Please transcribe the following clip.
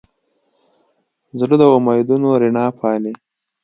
زړه د امیدونو رڼا پالي.